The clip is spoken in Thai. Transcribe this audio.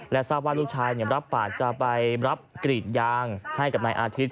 ทราบว่าลูกชายรับปากจะไปรับกรีดยางให้กับนายอาทิตย